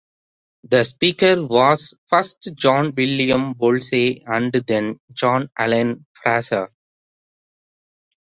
The Speaker was first John William Bosley and then John Allen Fraser.